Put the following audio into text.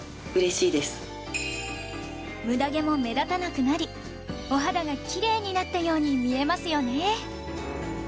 ムダ毛も目立たなくなりお肌がキレイになったように見えますよね